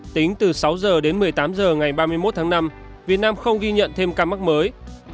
tính từ sáu h đến một mươi tám h ngày ba mươi một tháng năm việt nam không ghi nhận thêm ca mắc mới